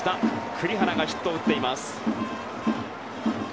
栗原がヒットを打っています。